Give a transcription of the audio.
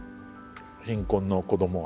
貧困の子どもは。